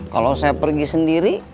kalau saya pergi sendiri